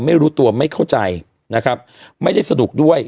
ไม่รู้ตัวไม่เข้าใจนะครับไม่ได้สนุกด้วย